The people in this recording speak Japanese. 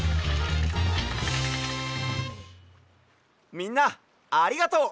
みんなありがとう！